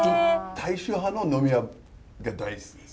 大衆派の飲み屋が大好きです。